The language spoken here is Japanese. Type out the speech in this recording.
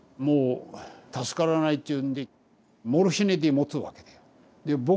もう助からないっていうんでモルヒネでもつわけだよ。